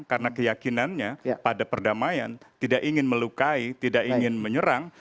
karena keyakinannya pada perdamaian tidak ingin melukai tidak ingin menyerang